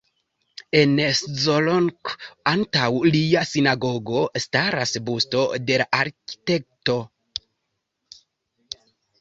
En Szolnok antaŭ lia sinagogo staras busto de la arkitekto.